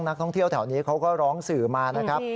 นักท่องเที่ยวแถวนี้เขาก็ร้องสื่อมานะครับ